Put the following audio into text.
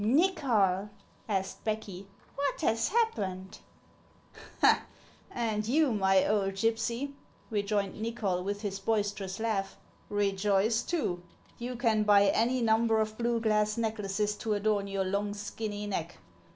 " Xychol," asked Becky, " what has happened ?"" And you, my old gypsy," rejoined Nychol, with his boisterous laugh, " rejoice too ! You can buy any number of blue glass necklaces to adorn your long, skinny neck.